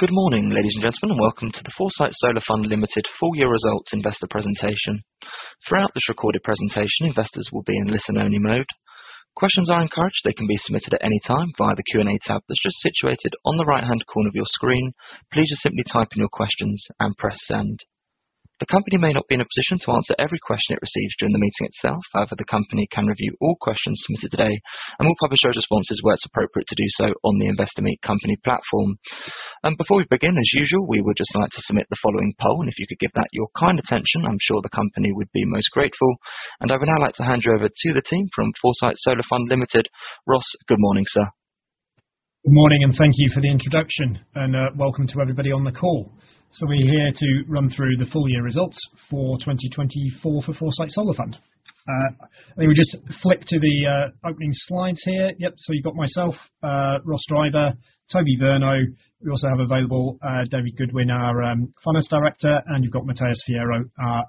Good morning, ladies and gentlemen, and welcome to the Foresight Solar Fund Limited full-year results investor presentation. Throughout this recorded presentation, investors will be in listen-only mode. Questions are encouraged; they can be submitted at any time via the Q&A tab that is just situated on the right-hand corner of your screen. Please just simply type in your questions and press send. The company may not be in a position to answer every question it receives during the meeting itself. However, the company can review all questions submitted today and will publish those responses where it is appropriate to do so on the Investor Meet Company platform. Before we begin, as usual, we would just like to submit the following poll, and if you could give that your kind attention, I am sure the company would be most grateful. I would now like to hand you over to the team from Foresight Solar Fund Limited. Ross, good morning, sir. Good morning, and thank you for the introduction, and welcome to everybody on the call. We're here to run through the full-year results for 2024 for Foresight Solar Fund Limited. Let me just flip to the opening slides here. Yep, you've got myself, Ross Driver, Toby Virno. We also have available David Goodwin, our Finance Director, and you've got Matheus Fiero, our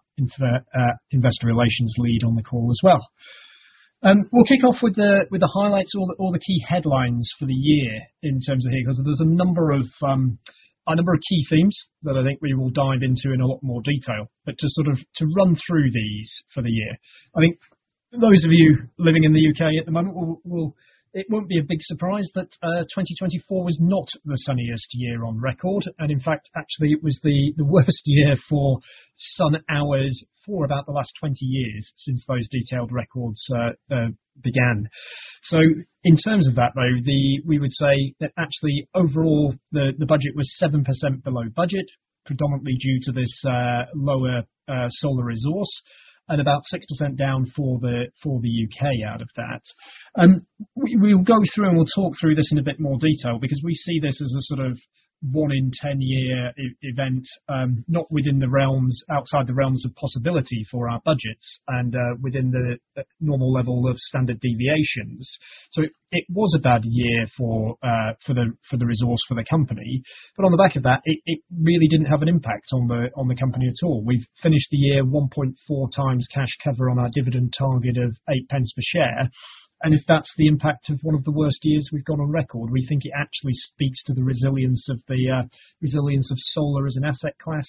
Investor Relations lead on the call as well. We'll kick off with the highlights, all the key headlines for the year in terms of here, because there's a number of key themes that I think we will dive into in a lot more detail. To sort of run through these for the year, I think those of you living in the U.K. at the moment, it won't be a big surprise that 2024 was not the sunniest year on record. In fact, actually, it was the worst year for sun hours for about the last 20 years since those detailed records began. In terms of that, though, we would say that actually overall the budget was 7% below budget, predominantly due to this lower solar resource, and about 6% down for the U.K. out of that. We will go through and we will talk through this in a bit more detail because we see this as a sort of one-in-ten-year event, not within the realms, outside the realms of possibility for our budgets and within the normal level of standard deviations. It was a bad year for the resource for the company, but on the back of that, it really did not have an impact on the company at all. We have finished the year 1.4x cash cover on our dividend target of 0.08 per share. If that's the impact of one of the worst years we've gone on record, we think it actually speaks to the resilience of solar as an asset class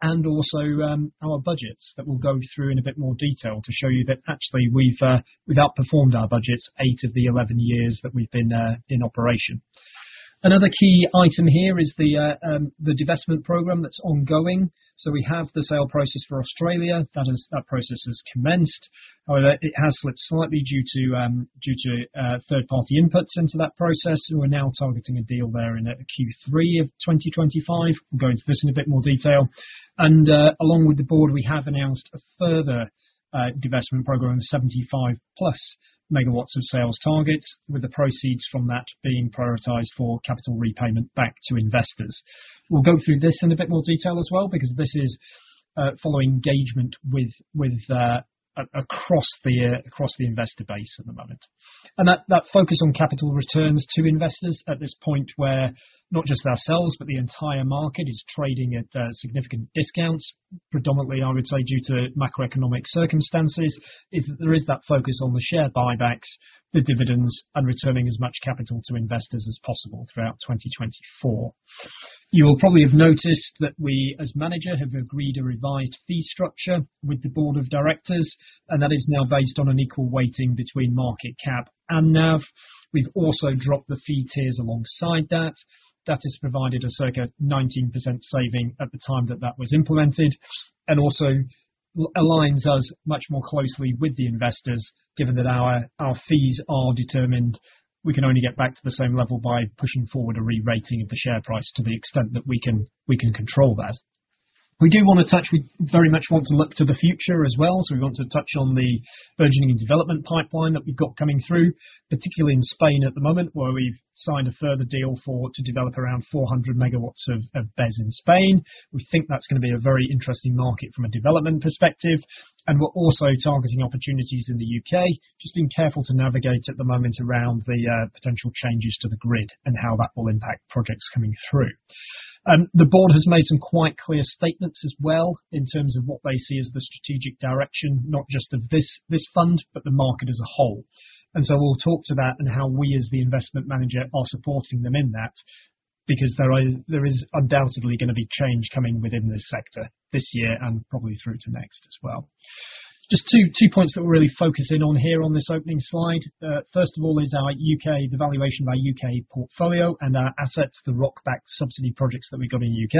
and also our budgets that we'll go through in a bit more detail to show you that actually we've outperformed our budgets eight of the 11 years that we've been in operation. Another key item here is the divestment program that's ongoing. We have the sale process for Australia. That process has commenced. However, it has slipped slightly due to third-party inputs into that process. We are now targeting a deal there in Q3 of 2025. We'll go into this in a bit more detail. Along with the board, we have announced a further divestment program of 75+ MW of sales targets, with the proceeds from that being prioritized for capital repayment back to investors. We'll go through this in a bit more detail as well because this is following engagement across the investor base at the moment. That focus on capital returns to investors at this point where not just ourselves, but the entire market is trading at significant discounts, predominantly, I would say, due to macroeconomic circumstances, is that there is that focus on the share buybacks, the dividends, and returning as much capital to investors as possible throughout 2024. You will probably have noticed that we, as manager, have agreed a revised fee structure with the board of directors, and that is now based on an equal weighting between market cap and NAV. We've also dropped the fee tiers alongside that. That has provided a circa 19% saving at the time that that was implemented and also aligns us much more closely with the investors, given that our fees are determined. We can only get back to the same level by pushing forward a re-rating of the share price to the extent that we can control that. We do want to touch; we very much want to look to the future as well. We want to touch on the burgeoning development pipeline that we've got coming through, particularly in Spain at the moment, where we've signed a further deal to develop around 400 MW of BESS in Spain. We think that's going to be a very interesting market from a development perspective. We are also targeting opportunities in the U.K., just being careful to navigate at the moment around the potential changes to the grid and how that will impact projects coming through. The board has made some quite clear statements as well in terms of what they see as the strategic direction, not just of this fund, but the market as a whole. We will talk to that and how we, as the investment manager, are supporting them in that because there is undoubtedly going to be change coming within this sector this year and probably through to next as well. Just two points that we are really focusing on here on this opening slide. First of all is our U.K., the valuation of our U.K. portfolio and our assets, the ROC-backed subsidy projects that we have got in the U.K.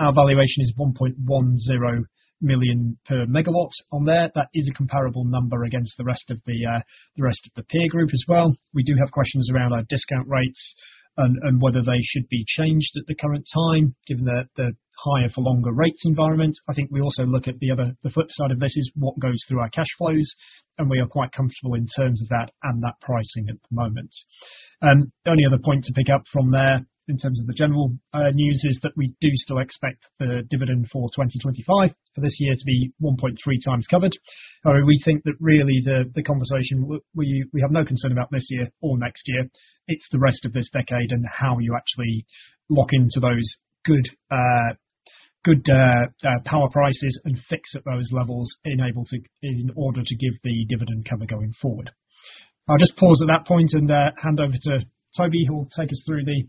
Our valuation is 1.10 million per MW on there. That is a comparable number against the rest of the peer group as well. We do have questions around our discount rates and whether they should be changed at the current time, given the higher-for-longer rates environment. I think we also look at the other side of this is what goes through our cash flows, and we are quite comfortable in terms of that and that pricing at the moment. The only other point to pick up from there in terms of the general news is that we do still expect the dividend for 2025 for this year to be 1.3x covered. We think that really the conversation we have no concern about this year or next year, it's the rest of this decade and how you actually lock into those good power prices and fix at those levels in order to give the dividend cover going forward. I'll just pause at that point and hand over to Toby, who will take us through the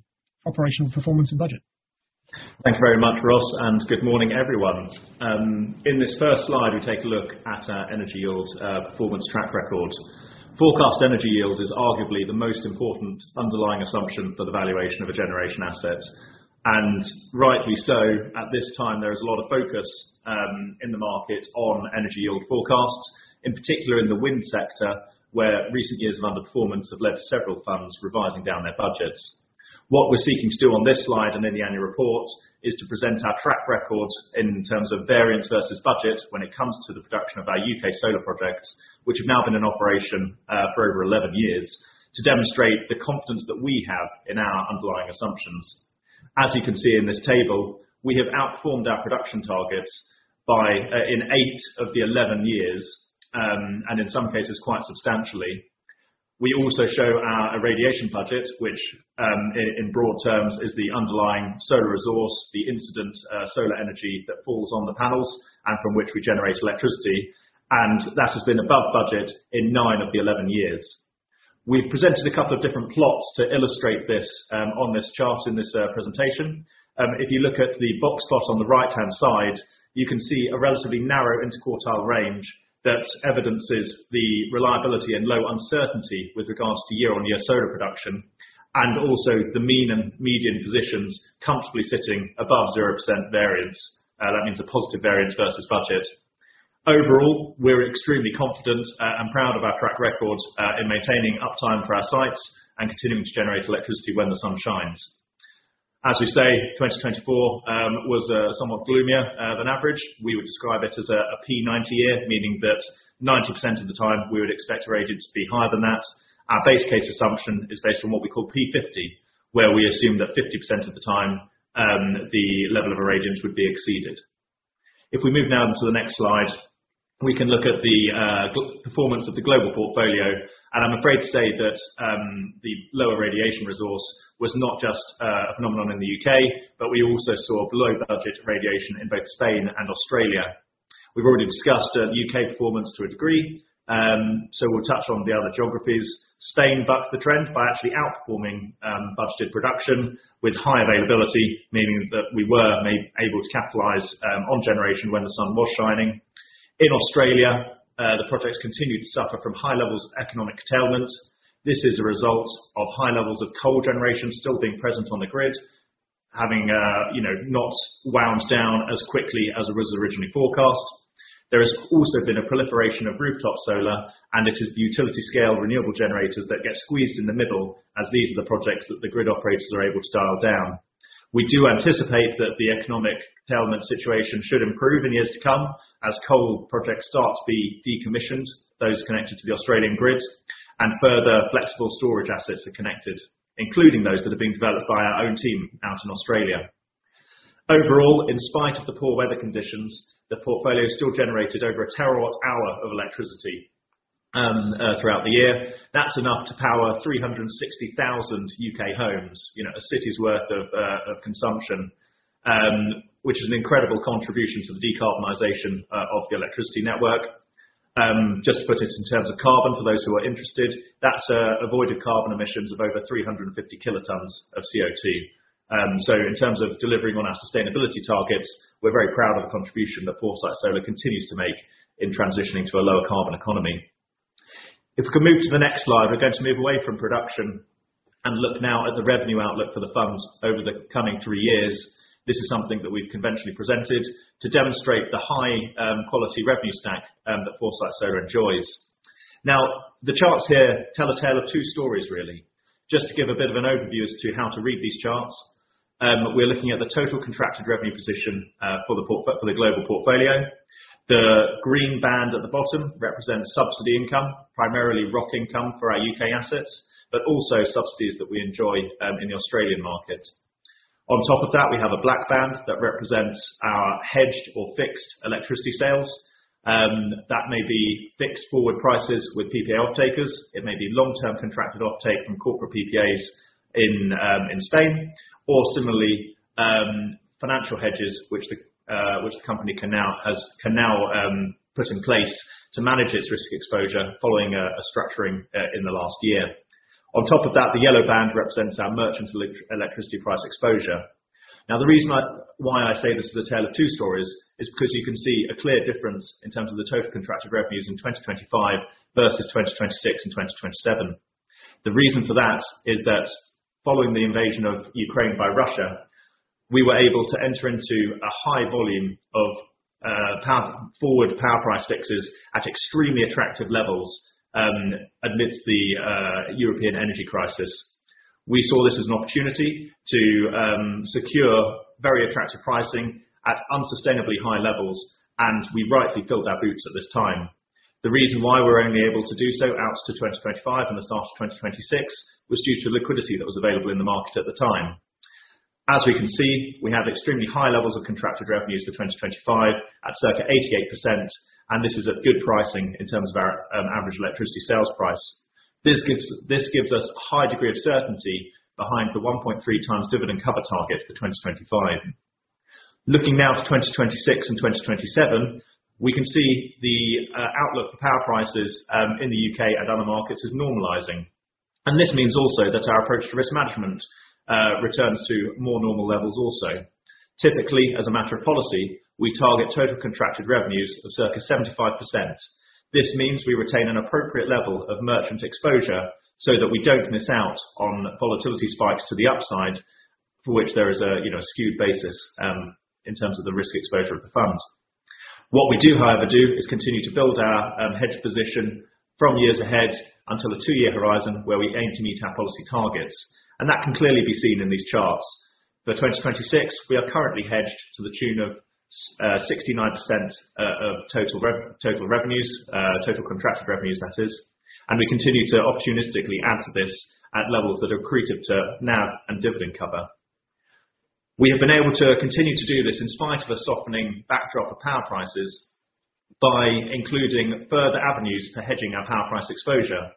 operational performance and budget. Thank you very much, Ross, and good morning, everyone. In this first slide, we take a look at our energy yield performance track records. Forecast energy yield is arguably the most important underlying assumption for the valuation of a generation asset. Rightly so, at this time, there is a lot of focus in the market on energy yield forecasts, in particular in the wind sector, where recent years of underperformance have led to several funds revising down their budgets. What we're seeking to do on this slide and in the annual report is to present our track record in terms of variance versus budget when it comes to the production of our U.K. solar projects, which have now been in operation for over 11 years, to demonstrate the confidence that we have in our underlying assumptions. As you can see in this table, we have outperformed our production targets in eight of the 11 years, and in some cases, quite substantially. We also show our irradiation budget, which in broad terms is the underlying solar resource, the incident solar energy that falls on the panels and from which we generate electricity, and that has been above budget in nine of the 11 years. We have presented a couple of different plots to illustrate this on this chart in this presentation. If you look at the box plot on the right-hand side, you can see a relatively narrow interquartile range that evidences the reliability and low uncertainty with regards to year-on-year solar production and also the mean and median positions comfortably sitting above 0% variance. That means a positive variance versus budget. Overall, we're extremely confident and proud of our track record in maintaining uptime for our sites and continuing to generate electricity when the sun shines. As we say, 2024 was somewhat gloomier than average. We would describe it as a P90 year, meaning that 90% of the time we would expect irradiance to be higher than that. Our base case assumption is based on what we call P50, where we assume that 50% of the time the level of irradiance would be exceeded. If we move now to the next slide, we can look at the performance of the global portfolio, and I'm afraid to say that the low irradiation resource was not just a phenomenon in the U.K., but we also saw below-budget irradiation in both Spain and Australia. We've already discussed the U.K. performance to a degree, so we'll touch on the other geographies. Spain bucked the trend by actually outperforming budgeted production with high availability, meaning that we were able to capitalize on generation when the sun was shining. In Australia, the projects continued to suffer from high levels of economic tailwinds. This is a result of high levels of coal generation still being present on the grid, having not wound down as quickly as it was originally forecast. There has also been a proliferation of rooftop solar, and it is the utility-scale renewable generators that get squeezed in the middle, as these are the projects that the grid operators are able to dial down. We do anticipate that the economic tailwind situation should improve in years to come as coal projects start to be decommissioned, those connected to the Australian grid, and further flexible storage assets are connected, including those that are being developed by our own team out in Australia. Overall, in spite of the poor weather conditions, the portfolio still generated over a terawatt hour of electricity throughout the year. That's enough to power 360,000 U.K. homes, a city's worth of consumption, which is an incredible contribution to the decarbonization of the electricity network. Just to put it in terms of carbon, for those who are interested, that's avoided carbon emissions of over 350 kilotons of CO2. In terms of delivering on our sustainability targets, we're very proud of the contribution that Foresight Solar continues to make in transitioning to a lower carbon economy. If we can move to the next slide, we're going to move away from production and look now at the revenue outlook for the funds over the coming three years. This is something that we've conventionally presented to demonstrate the high-quality revenue stack that Foresight Solar enjoys. Now, the charts here tell a tale of two stories, really. Just to give a bit of an overview as to how to read these charts, we're looking at the total contracted revenue position for the global portfolio. The green band at the bottom represents subsidy income, primarily ROC income for our U.K. assets, but also subsidies that we enjoy in the Australian market. On top of that, we have a black band that represents our hedged or fixed electricity sales. That may be fixed forward prices with PPA off-takers. It may be long-term contracted off-take from corporate PPAs in Spain, or similarly, financial hedges, which the company can now put in place to manage its risk exposure following a structuring in the last year. On top of that, the yellow band represents our merchant electricity price exposure. Now, the reason why I say this is a tale of two stories is because you can see a clear difference in terms of the total contracted revenues in 2025 versus 2026 and 2027. The reason for that is that following the invasion of Ukraine by Russia, we were able to enter into a high volume of forward power price fixes at extremely attractive levels amidst the European energy crisis. We saw this as an opportunity to secure very attractive pricing at unsustainably high levels, and we rightly filled our boots at this time. The reason why we're only able to do so out to 2025 and the start of 2026 was due to liquidity that was available in the market at the time. As we can see, we have extremely high levels of contracted revenues for 2025 at circa 88%, and this is at good pricing in terms of our average electricity sales price. This gives us a high degree of certainty behind the 1.3 times dividend cover target for 2025. Looking now to 2026 and 2027, we can see the outlook for power prices in the U.K. and other markets is normalizing. This means also that our approach to risk management returns to more normal levels also. Typically, as a matter of policy, we target total contracted revenues of circa 75%. This means we retain an appropriate level of merchant exposure so that we do not miss out on volatility spikes to the upside, for which there is a skewed basis in terms of the risk exposure of the fund. What we do, however, do is continue to build our hedged position from years ahead until a two-year horizon where we aim to meet our policy targets. That can clearly be seen in these charts. For 2026, we are currently hedged to the tune of 69% of total revenues, total contracted revenues, that is. We continue to opportunistically add to this at levels that are accretive to NAV and dividend cover. We have been able to continue to do this in spite of a softening backdrop of power prices by including further avenues for hedging our power price exposure,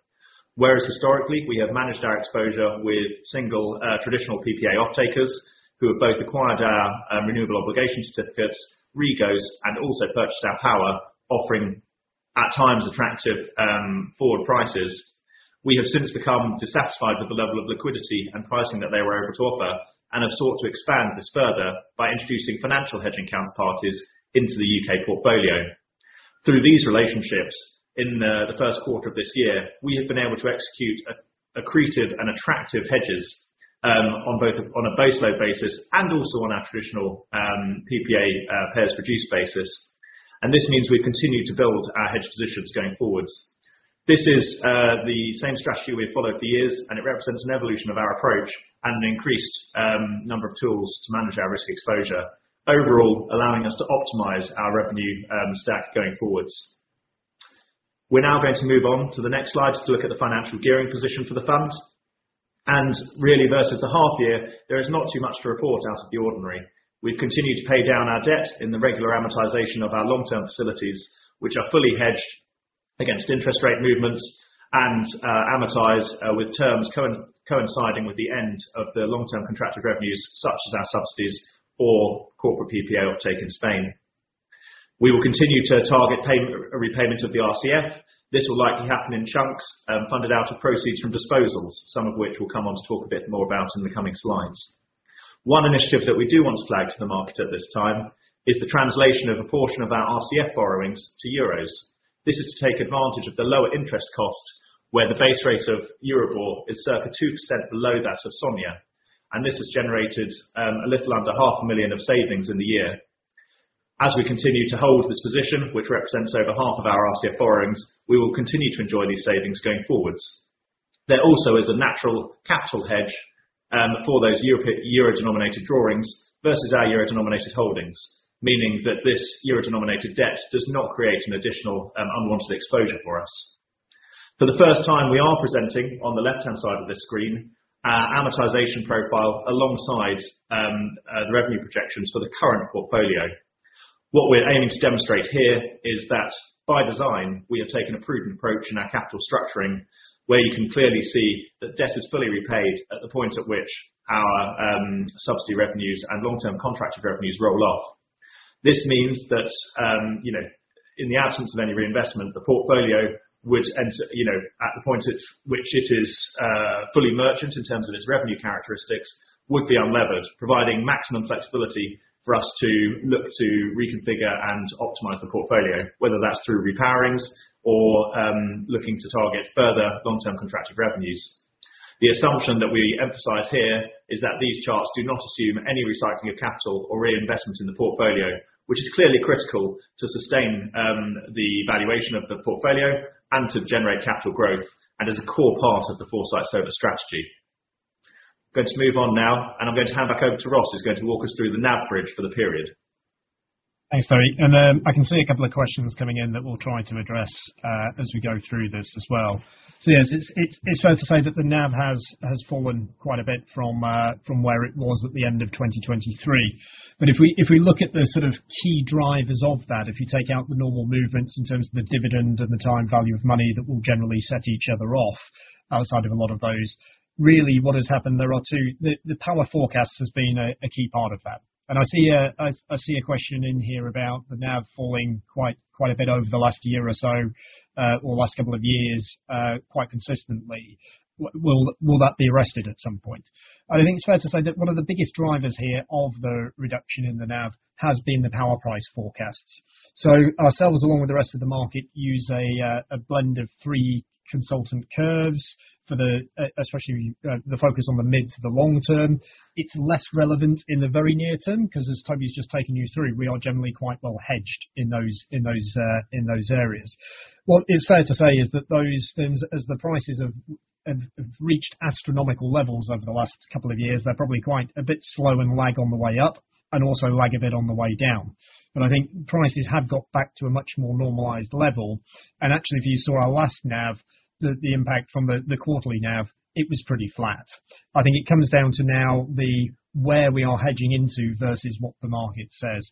whereas historically we have managed our exposure with single traditional PPA off-takers who have both acquired our renewable obligation certificates, REGOs, and also purchased our power, offering at times attractive forward prices. We have since become dissatisfied with the level of liquidity and pricing that they were able to offer and have sought to expand this further by introducing financial hedging counterparties into the U.K. portfolio. Through these relationships, in the first quarter of this year, we have been able to execute accretive and attractive hedges on both on a base load basis and also on our traditional PPA pairs produced basis. This means we have continued to build our hedged positions going forwards. This is the same strategy we have followed for years, and it represents an evolution of our approach and an increased number of tools to manage our risk exposure, overall allowing us to optimize our revenue stack going forwards. We are now going to move on to the next slide to look at the financial gearing position for the fund. Really, versus the half year, there is not too much to report out of the ordinary. We have continued to pay down our debt in the regular amortization of our long-term facilities, which are fully hedged against interest rate movements and amortized with terms coinciding with the end of the long-term contracted revenues, such as our subsidies or corporate PPA off-take in Spain. We will continue to target repayment of the RCF. This will likely happen in chunks funded out of proceeds from disposals, some of which we will come on to talk a bit more about in the coming slides. One initiative that we do want to flag to the market at this time is the translation of a portion of our RCF borrowings to EUR. This is to take advantage of the lower interest cost, where the base rate of Euribor is circa 2% below that of SONIA, and this has generated a little under $500,000 of savings in the year. As we continue to hold this position, which represents over half of our RCF borrowings, we will continue to enjoy these savings going forwards. There also is a natural capital hedge for those euro-denominated drawings versus our euro-denominated holdings, meaning that this euro-denominated debt does not create an additional unwanted exposure for us. For the first time, we are presenting on the left-hand side of this screen our amortization profile alongside the revenue projections for the current portfolio. What we're aiming to demonstrate here is that by design, we have taken a prudent approach in our capital structuring, where you can clearly see that debt is fully repaid at the point at which our subsidy revenues and long-term contracted revenues roll off. This means that in the absence of any reinvestment, the portfolio would enter at the point at which it is fully merchant in terms of its revenue characteristics, would be unlevered, providing maximum flexibility for us to look to reconfigure and optimize the portfolio, whether that's through repowerings or looking to target further long-term contracted revenues. The assumption that we emphasize here is that these charts do not assume any recycling of capital or reinvestment in the portfolio, which is clearly critical to sustain the valuation of the portfolio and to generate capital growth and is a core part of the Foresight Solar strategy. I'm going to move on now, and I'm going to hand back over to Ross, who's going to walk us through the NAV bridge for the period. Thanks, Toby. I can see a couple of questions coming in that we'll try to address as we go through this as well. Yes, it's fair to say that the NAV has fallen quite a bit from where it was at the end of 2023. If we look at the sort of key drivers of that, if you take out the normal movements in terms of the dividend and the time value of money that will generally set each other off, outside of a lot of those, really what has happened, there are two. The power forecast has been a key part of that. I see a question in here about the NAV falling quite a bit over the last year or so, or last couple of years, quite consistently. Will that be arrested at some point? I think it's fair to say that one of the biggest drivers here of the reduction in the NAV has been the power price forecasts. Ourselves, along with the rest of the market, use a blend of three consultant curves, especially the focus on the mid to the long term. It's less relevant in the very near term because, as Toby's just taken you through, we are generally quite well hedged in those areas. What is fair to say is that those things, as the prices have reached astronomical levels over the last couple of years, they're probably quite a bit slow and lag on the way up and also lag a bit on the way down. I think prices have got back to a much more normalized level. Actually, if you saw our last NAV, the impact from the quarterly NAV, it was pretty flat. I think it comes down to now where we are hedging into versus what the market says.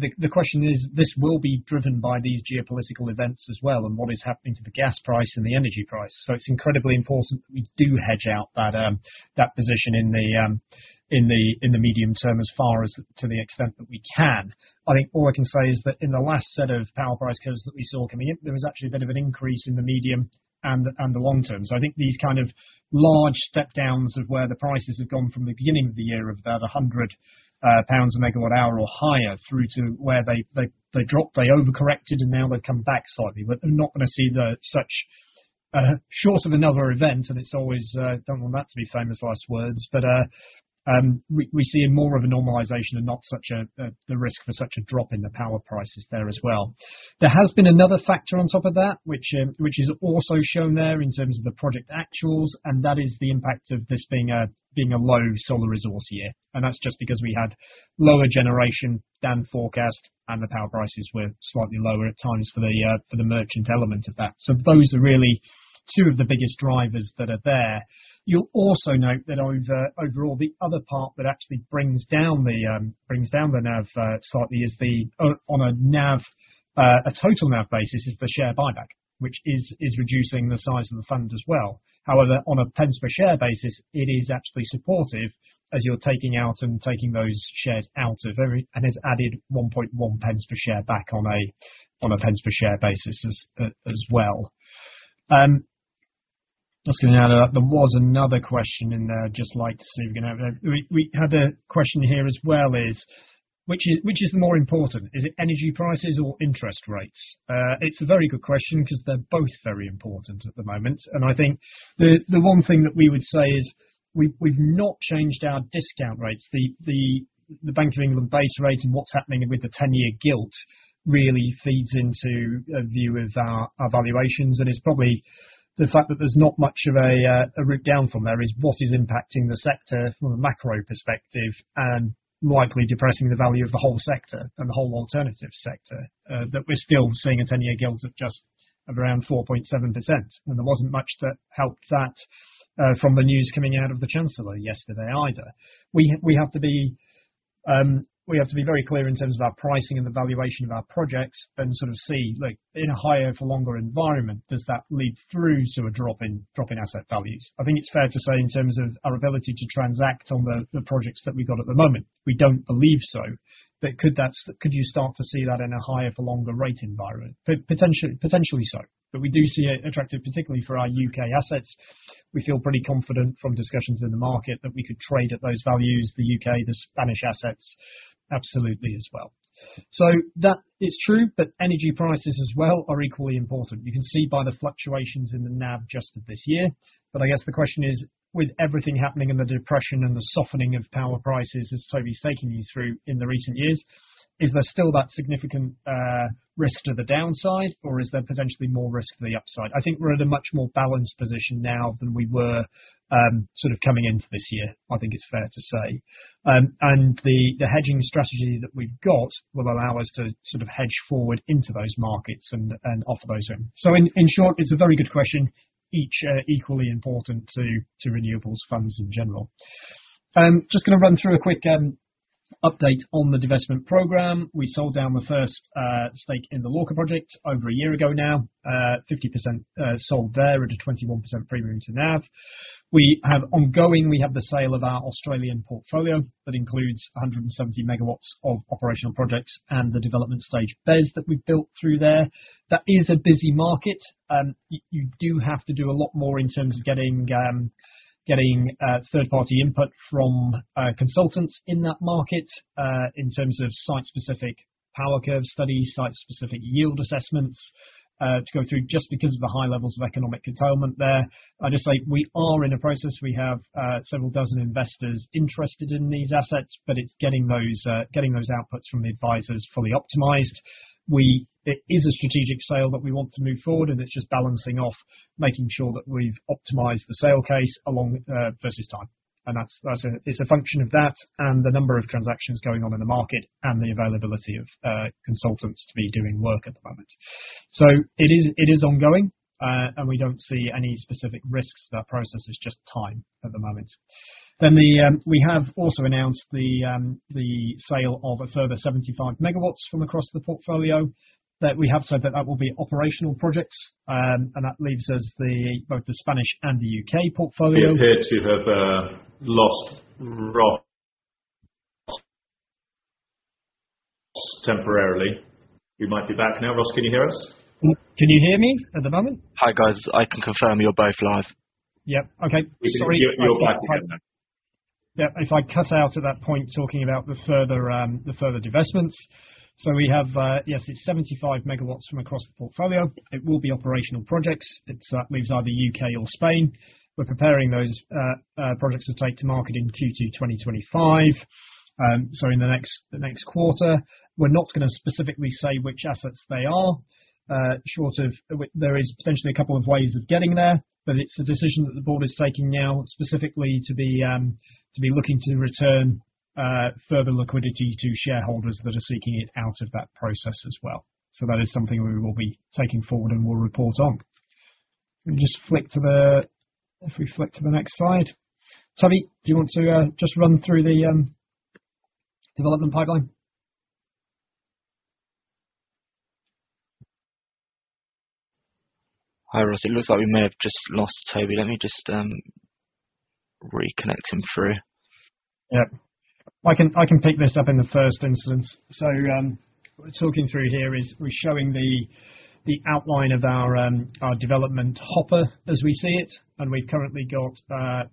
The question is, this will be driven by these geopolitical events as well and what is happening to the gas price and the energy price. It is incredibly important that we do hedge out that position in the medium term as far as to the extent that we can. I think all I can say is that in the last set of power price curves that we saw coming in, there was actually a bit of an increase in the medium and the long term. I think these kind of large step-downs of where the prices have gone from the beginning of the year of about 100 pounds a MWh or higher through to where they dropped, they overcorrected, and now they have come back slightly. I am not going to see, short of another event, and it is always—I do not want that to be famous last words—but we see more of a normalization and not such a risk for such a drop in the power prices there as well. There has been another factor on top of that, which is also shown there in terms of the project actuals, and that is the impact of this being a low solar resource year. That is just because we had lower generation than forecast, and the power prices were slightly lower at times for the merchant element of that. Those are really two of the biggest drivers that are there. You'll also note that overall, the other part that actually brings down the NAV slightly is the, on a total NAV basis, the share buyback, which is reducing the size of the fund as well. However, on a pence per share basis, it is absolutely supportive as you're taking out and taking those shares out of it and has added 0.011 per share back on a pence per share basis as well. Just going to add that there was another question in there. I'd just like to see if we can have—we had a question here as well—which is the more important? Is it energy prices or interest rates? It's a very good question because they're both very important at the moment. I think the one thing that we would say is we've not changed our discount rates. The Bank of England base rate and what's happening with the 10-year gilt really feeds into a view of our valuations. It's probably the fact that there's not much of a route down from there is what is impacting the sector from a macro perspective and likely depressing the value of the whole sector and the whole alternative sector that we're still seeing a 10-year gilt of just around 4.7%. There was not much that helped that from the news coming out of the Chancellor yesterday either. We have to be—we have to be very clear in terms of our pricing and the valuation of our projects and sort of see, look, in a higher-for-longer environment, does that lead through to a drop in asset values? I think it is fair to say in terms of our ability to transact on the projects that we have got at the moment, we do not believe so. Could you start to see that in a higher-for-longer rate environment? Potentially so. We do see it attractive, particularly for our U.K. assets. We feel pretty confident from discussions in the market that we could trade at those values, the U.K., the Spanish assets, absolutely as well. That is true, but energy prices as well are equally important. You can see by the fluctuations in the NAV just this year. I guess the question is, with everything happening in the depression and the softening of power prices, as Toby's taken you through in the recent years, is there still that significant risk to the downside, or is there potentially more risk to the upside? I think we're at a much more balanced position now than we were sort of coming into this year, I think it's fair to say. The hedging strategy that we've got will allow us to sort of hedge forward into those markets and offer those in. In short, it's a very good question, each equally important to renewables funds in general. I'm just going to run through a quick update on the divestment program. We sold down the first stake in the Lorca project over a year ago now, 50% sold there at a 21% premium to NAV. We have ongoing—we have the sale of our Australian portfolio that includes 170 MW of operational projects and the development stage BESS that we've built through there. That is a busy market. You do have to do a lot more in terms of getting third-party input from consultants in that market in terms of site-specific power curve studies, site-specific yield assessments to go through just because of the high levels of economic containment there. I just say we are in a process. We have several dozen investors interested in these assets, but it's getting those outputs from the advisors fully optimized. It is a strategic sale that we want to move forward, and it's just balancing off, making sure that we've optimized the sale case versus time. It is a function of that and the number of transactions going on in the market and the availability of consultants to be doing work at the moment. It is ongoing, and we do not see any specific risks to that process. It's just time at the moment. We have also announced the sale of a further 75 MW from across the portfolio. We have said that that will be operational projects, and that leaves us both the Spanish and the U.K. portfolio. We've heard you have lost Ross temporarily. We might be back now. Ross, can you hear us? Can you hear me at the moment? Hi, guys. I can confirm you're both live. Yep. Okay. Sorry. You're back. Yeah. If I cut out at that point talking about the further divestments. We have, yes, it is 75 MW from across the portfolio. It will be operational projects. That means either U.K. or Spain. We are preparing those projects to take to market in Q2 2025, in the next quarter. We are not going to specifically say which assets they are. There is potentially a couple of ways of getting there, but it is the decision that the board is taking now specifically to be looking to return further liquidity to shareholders that are seeking it out of that process as well. That is something we will be taking forward and we will report on. Let me just flick to the—if we flick to the next slide. Toby, do you want to just run through the development pipeline? Hi, Ross. It looks like we may have just lost Toby. Let me just reconnect him through. Yep. I can pick this up in the first instance. What we're talking through here is we're showing the outline of our development hopper as we see it. We've currently got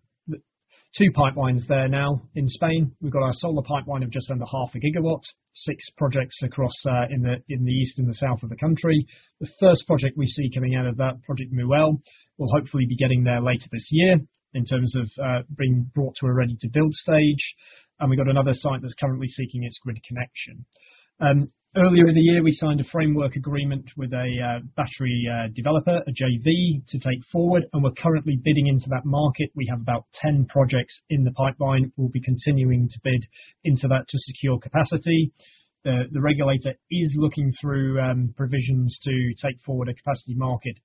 two pipelines there now in Spain. We've got our solar pipeline of just under 500 MW, six projects across in the east and the south of the country. The first project we see coming out of that, Project Muel, will hopefully be getting there later this year in terms of being brought to a ready-to-build stage. We've got another site that's currently seeking its grid connection. Earlier in the year, we signed a framework agreement with a battery developer, a JV, to take forward, and we're currently bidding into that market. We have about 10 projects in the pipeline. We'll be continuing to bid into that to secure capacity. The regulator is looking through provisions to take forward a capacity market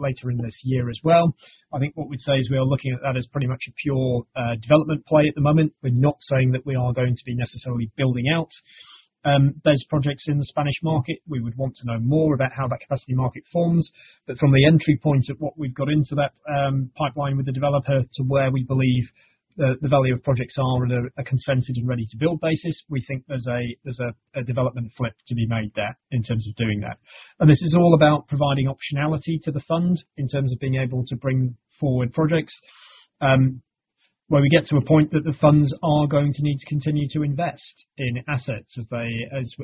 later in this year as well. I think what we'd say is we are looking at that as pretty much a pure development play at the moment. We're not saying that we are going to be necessarily building out. There's projects in the Spanish market. We would want to know more about how that capacity market forms. From the entry point of what we've got into that pipeline with the developer to where we believe the value of projects are on a consented and ready-to-build basis, we think there's a development flip to be made there in terms of doing that. This is all about providing optionality to the fund in terms of being able to bring forward projects where we get to a point that the funds are going to need to continue to invest in assets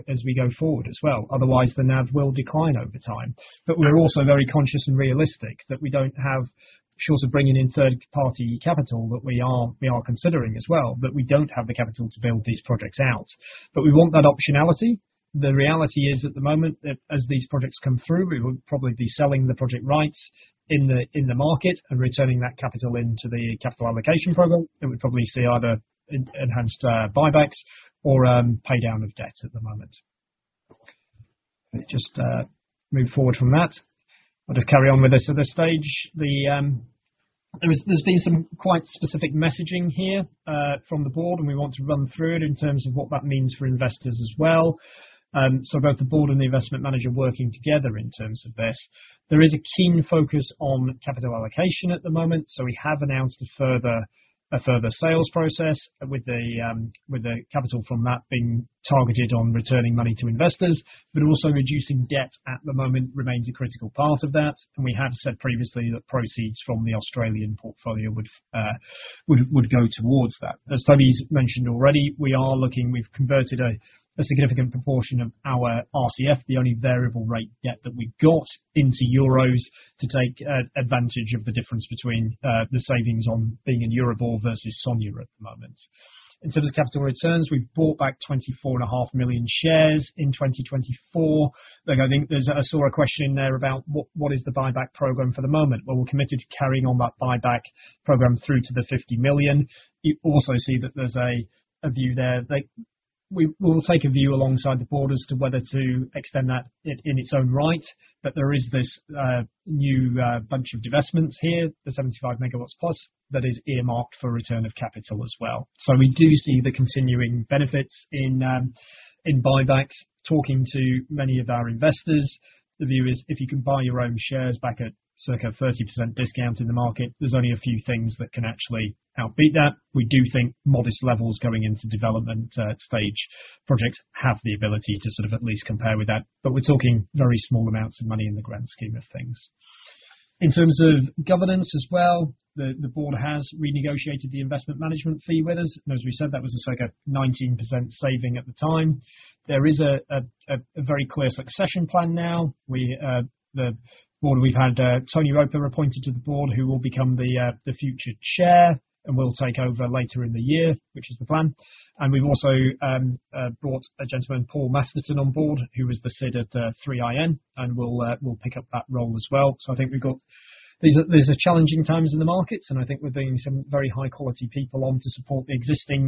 as we go forward as well. Otherwise, the NAV will decline over time. We are also very conscious and realistic that we do not have—short of bringing in third-party capital that we are considering as well—that we do not have the capital to build these projects out. We want that optionality. The reality is at the moment, as these projects come through, we will probably be selling the project rights in the market and returning that capital into the capital allocation program. It would probably see either enhanced buybacks or pay down of debt at the moment. Just move forward from that. I'll just carry on with this at this stage. has been some quite specific messaging here from the board, and we want to run through it in terms of what that means for investors as well. Both the board and the investment manager are working together in terms of this. There is a keen focus on capital allocation at the moment. We have announced a further sales process with the capital from that being targeted on returning money to investors. Also, reducing debt at the moment remains a critical part of that. We have said previously that proceeds from the Australian portfolio would go towards that. As Toby has mentioned already, we are looking—we have converted a significant proportion of our RCF, the only variable rate debt that we have, into EUR to take advantage of the difference between the savings on being in Euribor versus SONIA at the moment. In terms of capital returns, we've bought back 24.5 million shares in 2024. I think I saw a question in there about what is the buyback program for the moment. We are committed to carrying on that buyback program through to the 50 million. You also see that there is a view there that we will take a view alongside the board as to whether to extend that in its own right. There is this new bunch of divestments here, the 75 MW+, that is earmarked for return of capital as well. We do see the continuing benefits in buybacks. Talking to many of our investors, the view is if you can buy your own shares back at circa 30% discount in the market, there are only a few things that can actually outbeat that. We do think modest levels going into development stage projects have the ability to sort of at least compare with that. We are talking very small amounts of money in the grand scheme of things. In terms of governance as well, the board has renegotiated the investment management fee with us. As we said, that was a circa 19% saving at the time. There is a very clear succession plan now. The board, we have had Tony Roper appointed to the board, who will become the future chair and will take over later in the year, which is the plan. We have also brought a gentleman, Paul Masterton, on board, who was the SID at 3i Infrastructure, and will pick up that role as well. I think we've got challenging times in the markets, and I think we're bringing some very high-quality people on to support the existing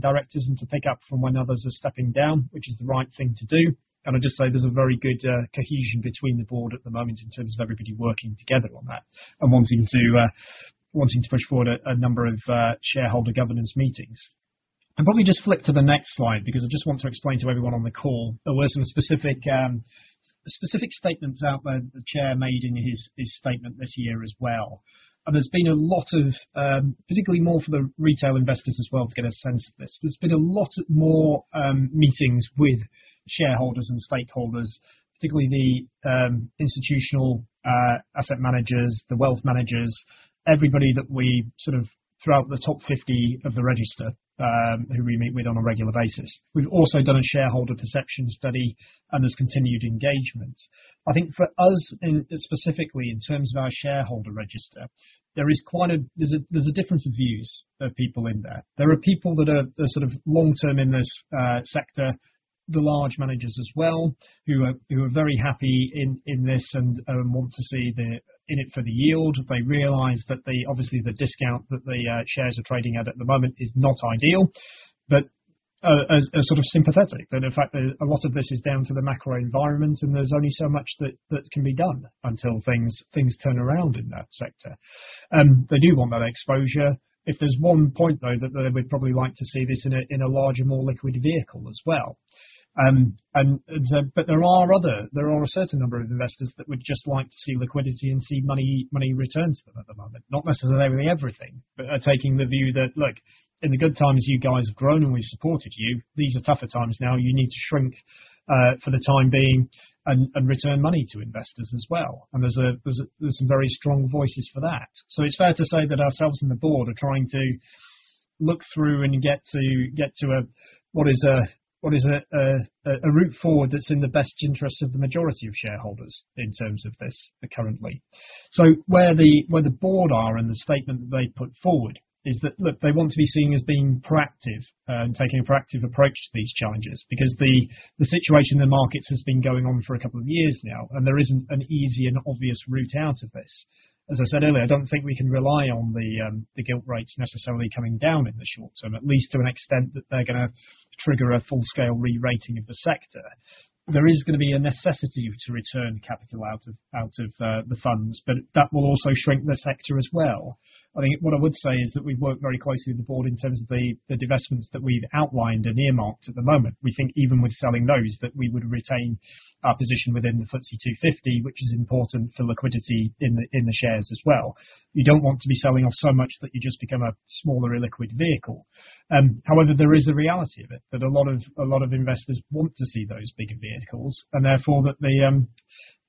directors and to pick up from when others are stepping down, which is the right thing to do. I just say there's a very good cohesion between the board at the moment in terms of everybody working together on that and wanting to push forward a number of shareholder governance meetings. Probably just flip to the next slide because I just want to explain to everyone on the call. There were some specific statements out there that the chair made in his statement this year as well. There's been a lot of, particularly more for the retail investors as well to get a sense of this. There's been a lot more meetings with shareholders and stakeholders, particularly the institutional asset managers, the wealth managers, everybody that we sort of throughout the top 50 of the register who we meet with on a regular basis. We've also done a shareholder perception study, and there's continued engagement. I think for us, specifically in terms of our shareholder register, there is quite a—there's a difference of views of people in there. There are people that are sort of long-term in this sector, the large managers as well, who are very happy in this and want to see in it for the yield. They realize that obviously the discount that the shares are trading at at the moment is not ideal, but are sort of sympathetic. In fact, a lot of this is down to the macro environment, and there's only so much that can be done until things turn around in that sector. They do want that exposure. If there's one point, though, that we'd probably like to see this in a larger, more liquid vehicle as well. There are a certain number of investors that would just like to see liquidity and see money return to them at the moment. Not necessarily everything, but are taking the view that, look, in the good times, you guys have grown and we've supported you. These are tougher times now. You need to shrink for the time being and return money to investors as well. There are some very strong voices for that. It is fair to say that ourselves and the board are trying to look through and get to what is a route forward that is in the best interest of the majority of shareholders in terms of this currently. Where the board are and the statement that they put forward is that, look, they want to be seen as being proactive and taking a proactive approach to these challenges because the situation in the markets has been going on for a couple of years now, and there is not an easy and obvious route out of this. As I said earlier, I do not think we can rely on the gilt rates necessarily coming down in the short term, at least to an extent that they are going to trigger a full-scale re-rating of the sector. There is going to be a necessity to return capital out of the funds, but that will also shrink the sector as well. I think what I would say is that we've worked very closely with the board in terms of the divestments that we've outlined and earmarked at the moment. We think even with selling those, that we would retain our position within the FTSE 250, which is important for liquidity in the shares as well. You don't want to be selling off so much that you just become a smaller illiquid vehicle. However, there is a reality of it that a lot of investors want to see those bigger vehicles and therefore that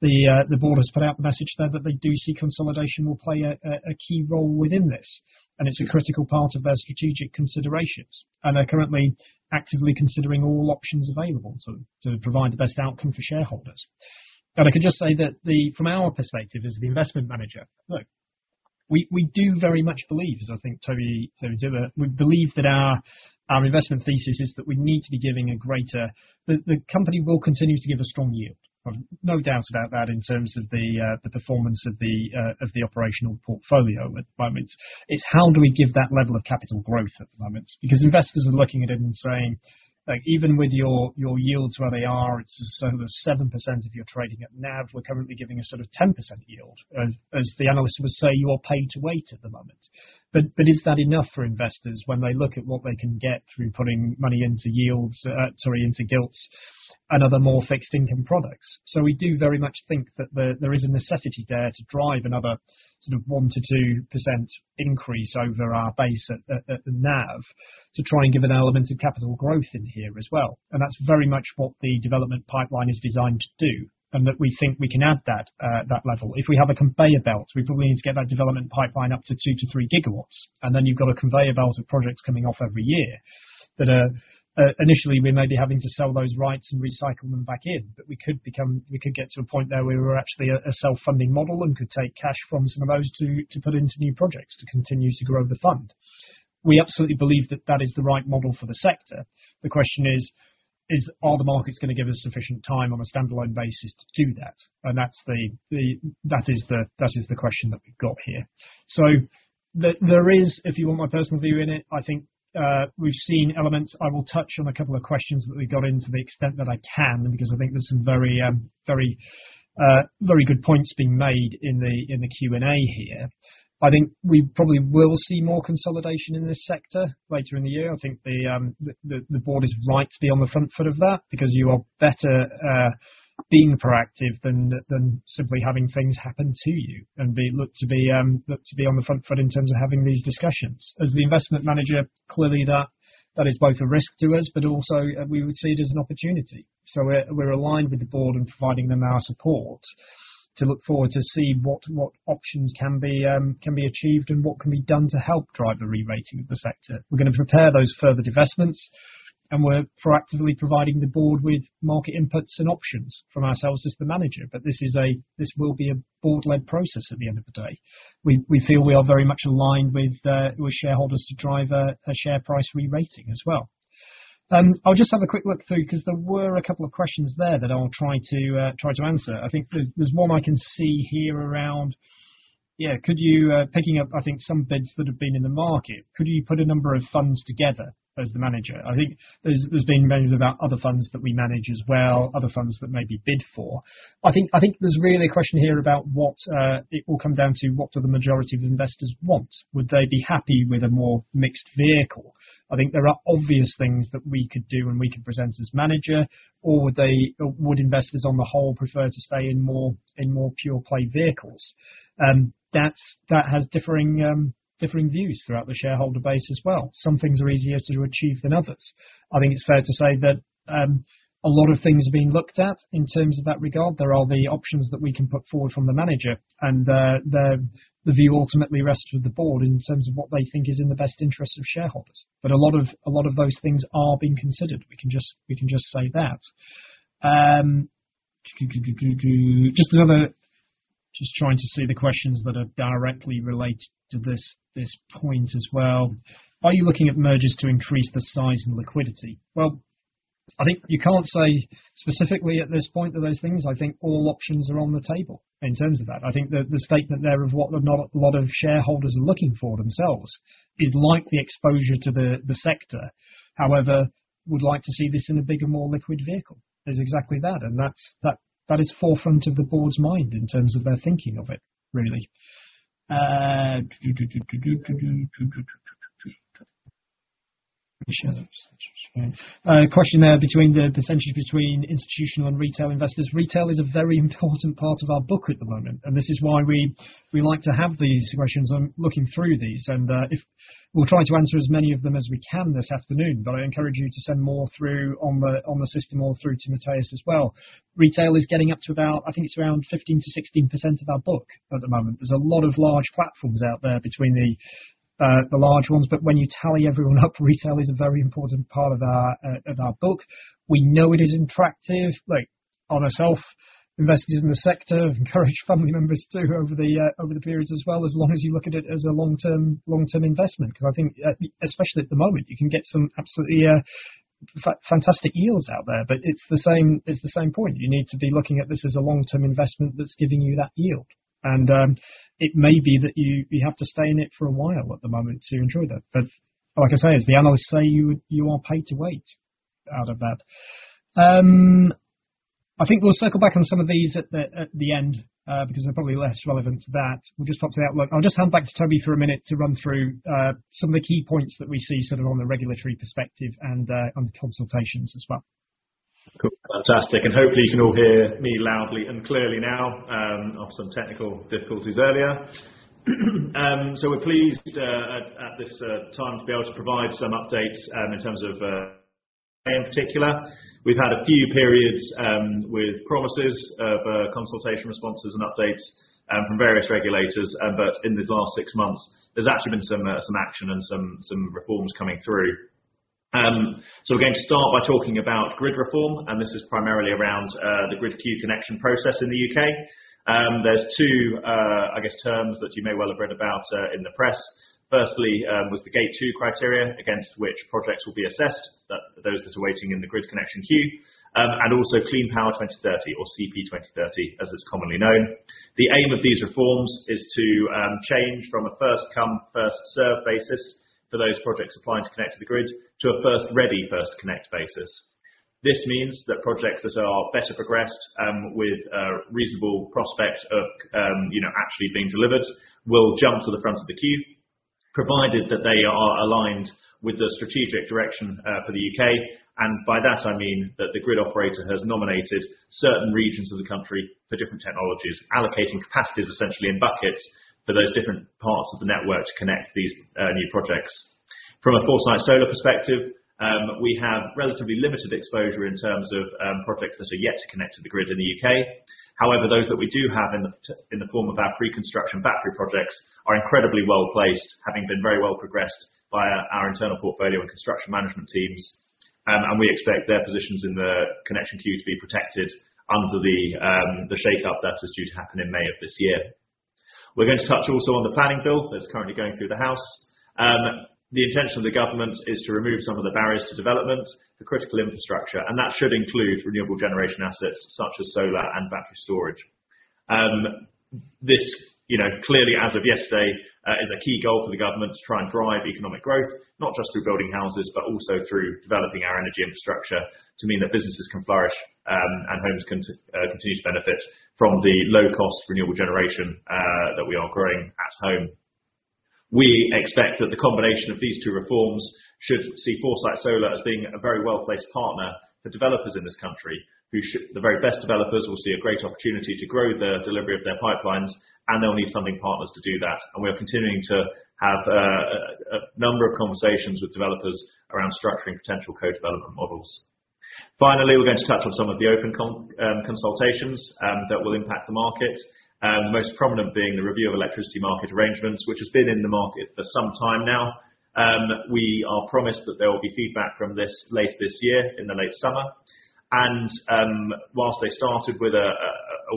the board has put out the message there that they do see consolidation will play a key role within this. It is a critical part of their strategic considerations. They are currently actively considering all options available to provide the best outcome for shareholders. I could just say that from our perspective as the investment manager, look, we do very much believe, as I think Toby did, we believe that our investment thesis is that we need to be giving a greater—the company will continue to give a strong yield. No doubt about that in terms of the performance of the operational portfolio. It is how do we give that level of capital growth at the moment? Because investors are looking at it and saying, "Look, even with your yields where they are, it is a sort of 7% if you are trading at NAV, we are currently giving a sort of 10% yield." As the analysts would say, you are pay-to-wait at the moment. Is that enough for investors when they look at what they can get through putting money into yields, sorry, into gilts and other more fixed income products? We do very much think that there is a necessity there to drive another sort of 1%-2% increase over our base at the NAV to try and give an element of capital growth in here as well. That is very much what the development pipeline is designed to do and we think we can add that level. If we have a conveyor belt, we probably need to get that development pipeline up to 2 GW-3 GW. You have a conveyor belt of projects coming off every year that initially we may be having to sell those rights and recycle them back in, but we could get to a point where we were actually a self-funding model and could take cash from some of those to put into new projects to continue to grow the fund. We absolutely believe that that is the right model for the sector. The question is, are the markets going to give us sufficient time on a standalone basis to do that? That is the question that we have here. If you want my personal view on it, I think we have seen elements. I will touch on a couple of questions that we got into to the extent that I can because I think there are some very good points being made in the Q&A here. I think we probably will see more consolidation in this sector later in the year. I think the board is right to be on the front foot of that because you are better being proactive than simply having things happen to you and look to be on the front foot in terms of having these discussions. As the investment manager, clearly that is both a risk to us, but also we would see it as an opportunity. We are aligned with the board and providing them our support to look forward to see what options can be achieved and what can be done to help drive the re-rating of the sector. We are going to prepare those further divestments, and we are proactively providing the board with market inputs and options from ourselves as the manager. This will be a board-led process at the end of the day. We feel we are very much aligned with shareholders to drive a share price re-rating as well. I'll just have a quick look through because there were a couple of questions there that I'll try to answer. I think there's one I can see here around, yeah, picking up, I think, some bids that have been in the market. Could you put a number of funds together as the manager? I think there's been many other funds that we manage as well, other funds that may be bid for. I think there's really a question here about what it will come down to, what do the majority of investors want? Would they be happy with a more mixed vehicle? I think there are obvious things that we could do and we could present as manager, or would investors on the whole prefer to stay in more pure-play vehicles? That has differing views throughout the shareholder base as well. Some things are easier to achieve than others. I think it's fair to say that a lot of things are being looked at in terms of that regard. There are the options that we can put forward from the manager, and the view ultimately rests with the board in terms of what they think is in the best interest of shareholders. A lot of those things are being considered. We can just say that. Just trying to see the questions that are directly related to this point as well. Are you looking at mergers to increase the size and liquidity? I think you can't say specifically at this point that those things. I think all options are on the table in terms of that. I think the statement there of what a lot of shareholders are looking for themselves is likely exposure to the sector. However, would like to see this in a bigger, more liquid vehicle. It's exactly that. That is forefront of the board's mind in terms of their thinking of it, really. Question there between the percentage between institutional and retail investors. Retail is a very important part of our book at the moment. This is why we like to have these questions. I'm looking through these. We'll try to answer as many of them as we can this afternoon. I encourage you to send more through on the system or through to Matteo as well. Retail is getting up to about, I think it's around 15%-16% of our book at the moment. are a lot of large platforms out there between the large ones. When you tally everyone up, retail is a very important part of our book. We know it is attractive. Look, ourselves, investors in the sector, encourage family members too over the periods as well, as long as you look at it as a long-term investment. I think, especially at the moment, you can get some absolutely fantastic yields out there. It is the same point. You need to be looking at this as a long-term investment that is giving you that yield. It may be that you have to stay in it for a while at the moment to enjoy that. Like I say, as the analysts say, you are pay-to-wait out of that. I think we will circle back on some of these at the end because they are probably less relevant to that. We'll just pop that out. I'll just hand back to Toby for a minute to run through some of the key points that we see sort of on the regulatory perspective and on the consultations as well. Cool. Fantastic. Hopefully, you can all hear me loudly and clearly now after some technical difficulties earlier. We're pleased at this time to be able to provide some updates in terms of in particular. We've had a few periods with promises of consultation responses and updates from various regulators. In the last six months, there's actually been some action and some reforms coming through. We're going to start by talking about grid reform. This is primarily around the grid queue connection process in the U.K. There are two, I guess, terms that you may well have read about in the press. Firstly was the Gate 2 criteria against which projects will be assessed, those that are waiting in the grid connection queue, and also Clean Power 2030 or CP 2030, as it's commonly known. The aim of these reforms is to change from a first-come, first-served basis for those projects applying to connect to the grid to a first-ready, first-connect basis. This means that projects that are better progressed with a reasonable prospect of actually being delivered will jump to the front of the queue, provided that they are aligned with the strategic direction for the U.K. I mean that the grid operator has nominated certain regions of the country for different technologies, allocating capacities essentially in buckets for those different parts of the network to connect these new projects. From a Foresight Solar perspective, we have relatively limited exposure in terms of projects that are yet to connect to the grid in the U.K. However, those that we do have in the form of our pre-construction battery projects are incredibly well placed, having been very well progressed by our internal portfolio and construction management teams. We expect their positions in the connection queue to be protected under the shake-up that is due to happen in May of this year. We are going to touch also on the planning bill that is currently going through the House. The intention of the government is to remove some of the barriers to development for critical infrastructure. That should include renewable generation assets such as solar and battery storage. This clearly, as of yesterday, is a key goal for the government to try and drive economic growth, not just through building houses, but also through developing our energy infrastructure to mean that businesses can flourish and homes can continue to benefit from the low-cost renewable generation that we are growing at home. We expect that the combination of these two reforms should see Foresight Solar as being a very well-placed partner for developers in this country. The very best developers will see a great opportunity to grow the delivery of their pipelines, and they will need funding partners to do that. We are continuing to have a number of conversations with developers around structuring potential co-development models. Finally, we're going to touch on some of the open consultations that will impact the market, the most prominent being the Review of Electricity Market Arrangements, which has been in the market for some time now. We are promised that there will be feedback from this late this year in the late summer. Whilst they started with a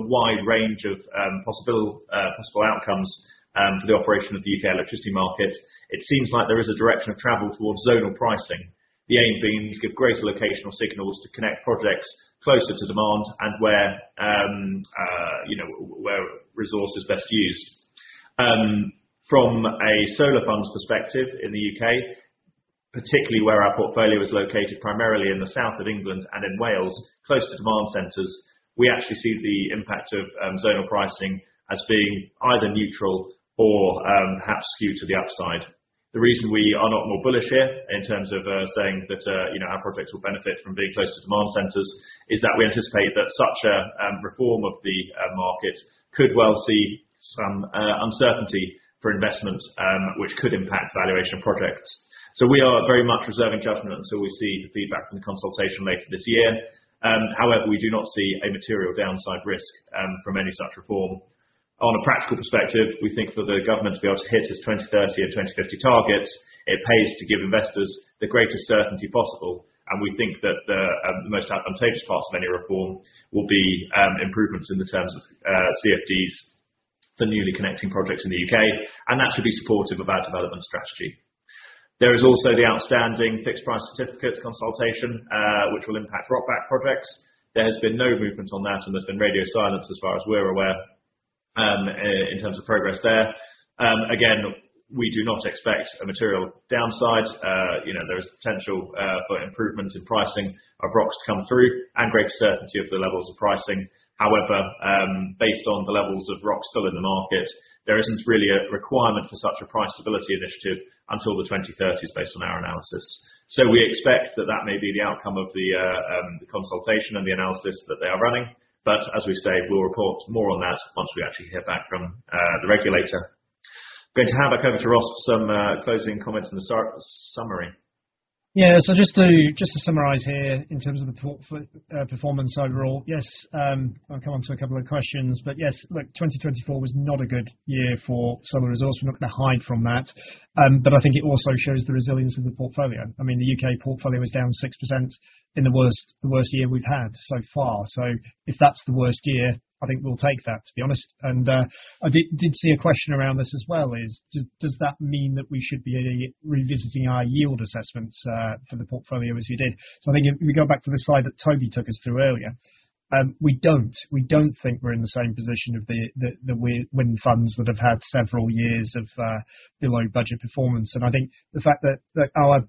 wide range of possible outcomes for the operation of the U.K. electricity market, it seems like there is a direction of travel towards zonal pricing, the aim being to give greater locational signals to connect projects closer to demand and where resource is best used. From a solar fund's perspective in the U.K., particularly where our portfolio is located primarily in the south of England and in Wales, close to demand centers, we actually see the impact of zonal pricing as being either neutral or perhaps skewed to the upside. The reason we are not more bullish here in terms of saying that our projects will benefit from being close to demand centers is that we anticipate that such a reform of the market could well see some uncertainty for investments, which could impact valuation of projects. We are very much reserving judgment until we see the feedback from the consultation later this year. However, we do not see a material downside risk from any such reform. From a practical perspective, we think for the government to be able to hit its 2030 and 2050 targets, it pays to give investors the greatest certainty possible. We think that the most advantageous parts of any reform will be improvements in the terms of CFDs for newly connecting projects in the U.K. That should be supportive of our development strategy. There is also the outstanding Fixed Price Certificates consultation, which will impact ROC-backed projects. There has been no movement on that, and there's been radio silence as far as we're aware in terms of progress there. Again, we do not expect a material downside. There is potential for improvement in pricing of ROCs to come through and greater certainty of the levels of pricing. However, based on the levels of ROCs still in the market, there isn't really a requirement for such a price stability initiative until the 2030s based on our analysis. We expect that that may be the outcome of the consultation and the analysis that they are running. As we say, we'll report more on that once we actually hear back from the regulator. Going to hand back over to Ross for some closing comments and a summary. Yeah. Just to summarize here in terms of the performance overall, yes, I'll come on to a couple of questions. Yes, look, 2024 was not a good year for solar resource. We're not going to hide from that. I think it also shows the resilience of the portfolio. I mean, the U.K. portfolio is down 6% in the worst year we've had so far. If that's the worst year, I think we'll take that, to be honest. I did see a question around this as well. Does that mean that we should be revisiting our yield assessments for the portfolio as you did? I think if we go back to the slide that Toby took us through earlier, we don't think we're in the same position of when funds would have had several years of below-budget performance. I think the fact that our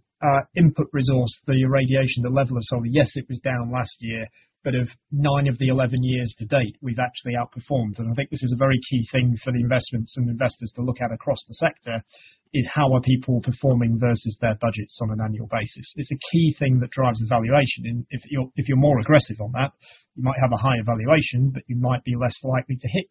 input resource, the irradiation, the level of solar, yes, it was down last year, but of 9 of the 11 years to date, we have actually outperformed. I think this is a very key thing for the investments and investors to look at across the sector, is how are people performing versus their budgets on an annual basis. It is a key thing that drives the valuation. If you are more aggressive on that, you might have a higher valuation, but you might be less likely to hit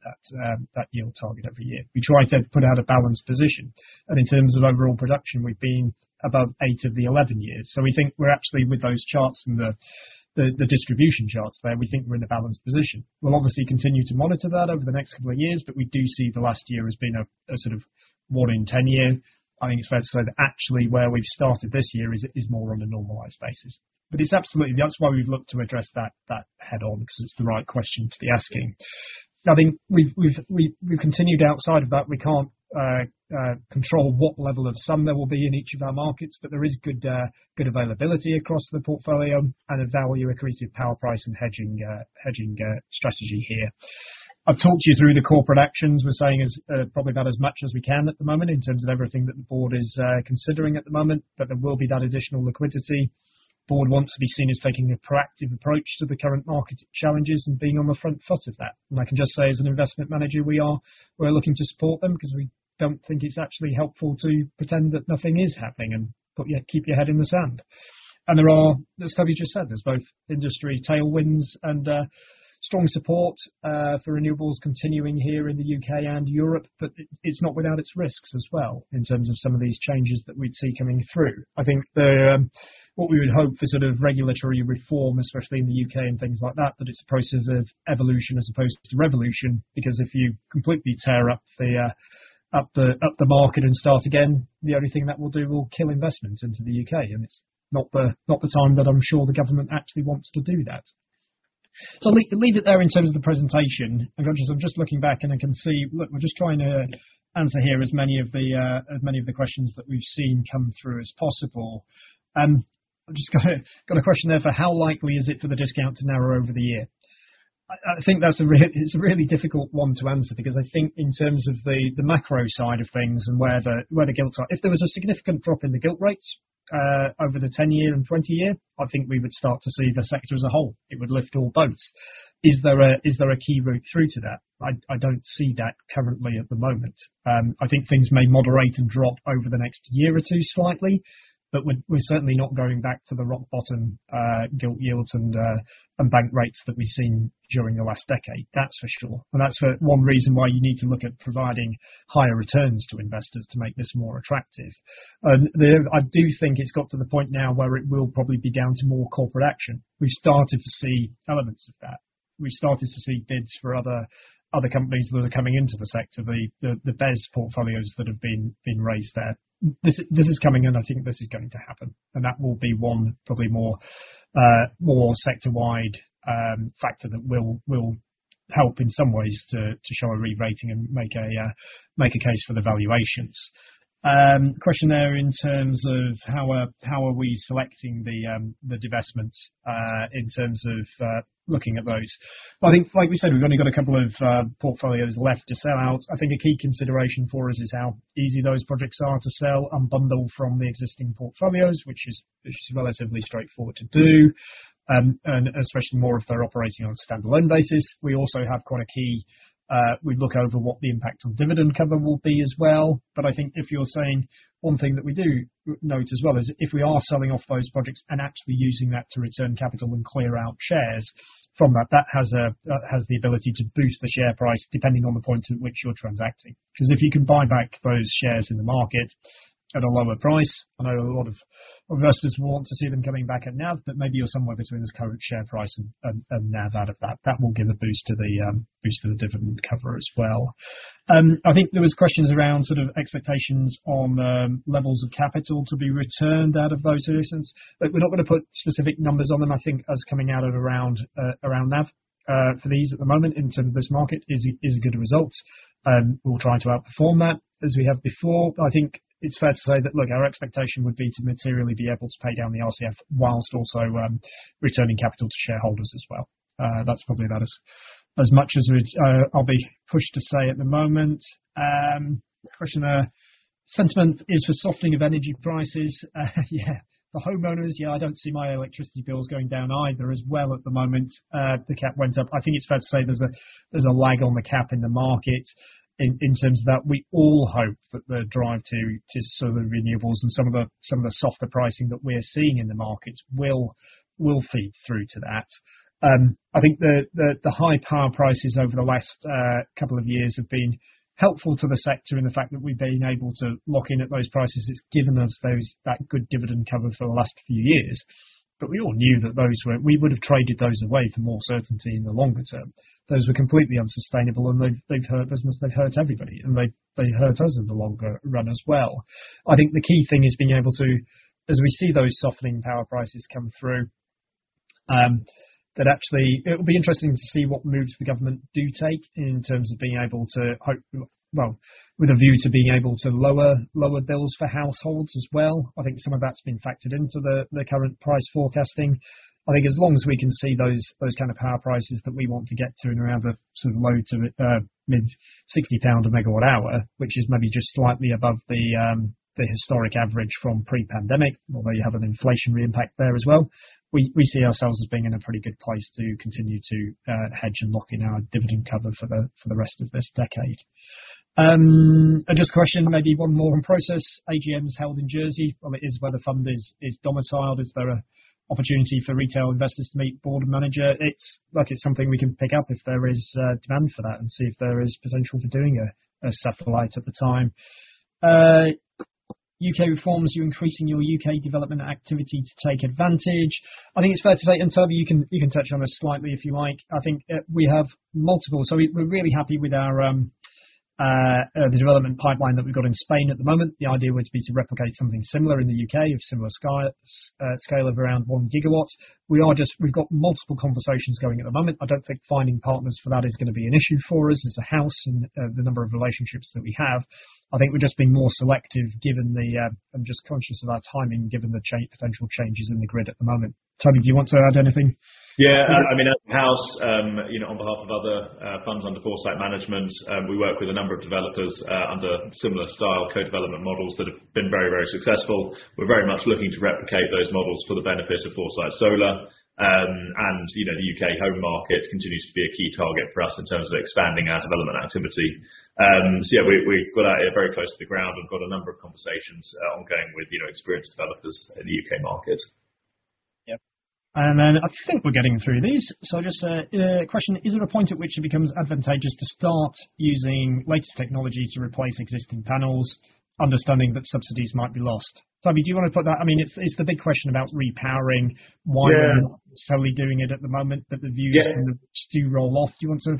that yield target every year. We try to put out a balanced position. In terms of overall production, we have been above 8 of the 11 years. We think we are actually, with those charts and the distribution charts there, we think we are in a balanced position. We'll obviously continue to monitor that over the next couple of years, but we do see the last year as being a sort of one in 10 year. I think it's fair to say that actually where we've started this year is more on a normalized basis. It is absolutely the—that's why we've looked to address that head-on because it's the right question to be asking. I think we've continued outside of that. We can't control what level of sun there will be in each of our markets, but there is good availability across the portfolio and a value-accretive power price and hedging strategy here. I've talked to you through the corporate actions. We're saying probably about as much as we can at the moment in terms of everything that the board is considering at the moment. There will be that additional liquidity. The board wants to be seen as taking a proactive approach to the current market challenges and being on the front foot of that. I can just say, as an investment manager, we are looking to support them because we do not think it is actually helpful to pretend that nothing is happening and keep your head in the sand. There are, as Toby just said, both industry tailwinds and strong support for renewables continuing here in the U.K. and Europe, but it is not without its risks as well in terms of some of these changes that we would see coming through. I think what we would hope for sort of regulatory reform, especially in the U.K. and things like that, that it's a process of evolution as opposed to revolution because if you completely tear up the market and start again, the only thing that will do will kill investments into the U.K. It is not the time that I'm sure the government actually wants to do that. I will leave it there in terms of the presentation. I'm just looking back and I can see, look, we're just trying to answer here as many of the questions that we've seen come through as possible. I've just got a question there for how likely is it for the discount to narrow over the year? I think that's a really difficult one to answer because I think in terms of the macro side of things and where the gilt are, if there was a significant drop in the gilt rates over the 10-year and 20-year, I think we would start to see the sector as a whole. It would lift all boats. Is there a key route through to that? I don't see that currently at the moment. I think things may moderate and drop over the next year or two slightly, but we're certainly not going back to the rock bottom gilt yields and bank rates that we've seen during the last decade. That's for sure. That's one reason why you need to look at providing higher returns to investors to make this more attractive. I do think it's got to the point now where it will probably be down to more corporate action. We've started to see elements of that. We've started to see bids for other companies that are coming into the sector, the BESS portfolios that have been raised there. This is coming, and I think this is going to happen. That will be one probably more sector-wide factor that will help in some ways to show a re-rating and make a case for the valuations. Question there in terms of how are we selecting the divestments in terms of looking at those. I think, like we said, we've only got a couple of portfolios left to sell out. I think a key consideration for us is how easy those projects are to sell and bundle from the existing portfolios, which is relatively straightforward to do, and especially more if they're operating on a standalone basis. We also have quite a key—we look over what the impact on dividend cover will be as well. I think if you're saying one thing that we do note as well is if we are selling off those projects and actually using that to return capital and clear out shares from that, that has the ability to boost the share price depending on the point at which you're transacting. Because if you can buy back those shares in the market at a lower price, I know a lot of investors will want to see them coming back at NAV, but maybe you are somewhere between the current share price and NAV out of that. That will give a boost to the dividend cover as well. I think there were questions around sort of expectations on levels of capital to be returned out of those solutions. We are not going to put specific numbers on them. I think us coming out of around NAV for these at the moment in terms of this market is a good result. We will try to outperform that as we have before. I think it is fair to say that, look, our expectation would be to materially be able to pay down the RCF whilst also returning capital to shareholders as well. That's probably about as much as I'll be pushed to say at the moment. Question there. Sentiment is for softening of energy prices. Yeah. The homeowners, yeah, I don't see my electricity bills going down either as well at the moment. The cap went up. I think it's fair to say there's a lag on the cap in the market in terms of that. We all hope that the drive to solar renewables and some of the softer pricing that we're seeing in the markets will feed through to that. I think the high power prices over the last couple of years have been helpful to the sector in the fact that we've been able to lock in at those prices. It's given us that good dividend cover for the last few years. We all knew that those were—we would have traded those away for more certainty in the longer term. Those were completely unsustainable. They have hurt us, and they have hurt everybody. They have hurt us in the longer run as well. I think the key thing is being able to, as we see those softening power prices come through, that actually it will be interesting to see what moves the government do take in terms of being able to, with a view to being able to lower bills for households as well. I think some of that has been factored into the current price forecasting. I think as long as we can see those kind of power prices that we want to get to and around the sort of low to mid-GBP 60 a MW hour, which is maybe just slightly above the historic average from pre-pandemic, although you have an inflationary impact there as well, we see ourselves as being in a pretty good place to continue to hedge and lock in our dividend cover for the rest of this decade. Just a question, maybe one more on process. AGM is held in Jersey. It is where the fund is domiciled. Is there an opportunity for retail investors to meet board and manager? It's something we can pick up if there is demand for that and see if there is potential for doing a satellite at the time. U.K. reforms, you're increasing your U.K. development activity to take advantage. I think it's fair to say, and Toby, you can touch on this slightly if you like. I think we have multiple. So we're really happy with the development pipeline that we've got in Spain at the moment. The idea was to be to replicate something similar in the U.K. of similar scale of around 1 gigawatt. We've got multiple conversations going at the moment. I don't think finding partners for that is going to be an issue for us as a house and the number of relationships that we have. I think we're just being more selective given the—I’m just conscious of our timing given the potential changes in the grid at the moment. Toby, do you want to add anything? Yeah. I mean, as a house, on behalf of other funds under Foresight management, we work with a number of developers under similar style co-development models that have been very, very successful. We're very much looking to replicate those models for the benefit of Foresight Solar. The U.K. home market continues to be a key target for us in terms of expanding our development activity. Yeah, we've got it very close to the ground. We've got a number of conversations ongoing with experienced developers in the U.K. market. Yeah. I think we're getting through these. Just a question. Is there a point at which it becomes advantageous to start using latest technology to replace existing panels, understanding that subsidies might be lost? Toby, do you want to put that? I mean, it's the big question about repowering. Why are we not necessarily doing it at the moment that the views do roll off? Do you want to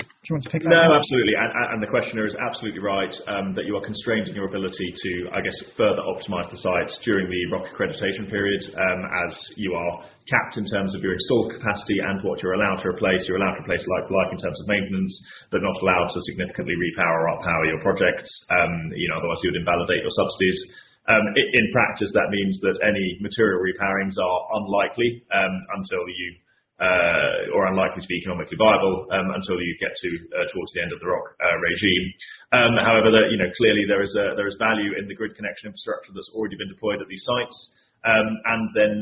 pick that up? No, absolutely. The questioner is absolutely right that you are constrained in your ability to, I guess, further optimize the sites during the ROC accreditation period as you are capped in terms of your installed capacity and what you're allowed to replace. You're allowed to replace like-for-like in terms of maintenance, but not allowed to significantly repower or up-power your projects. Otherwise, you would invalidate your subsidies. In practice, that means that any material repowerings are unlikely or unlikely to be economically viable until you get towards the end of the ROC regime. However, clearly, there is value in the grid connection infrastructure that's already been deployed at these sites. The